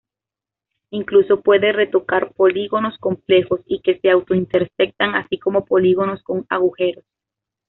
Incluso puede recortar polígonos complejos y que se auto-intersectan así como polígonos con agujeros.